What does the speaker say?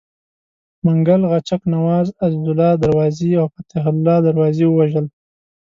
منګل غچک نواز، عزیزالله دروازي او فتح الله دروازي ووژل.